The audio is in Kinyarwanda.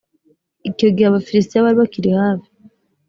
icyo gihe abafilisitiya bari bakiri hafi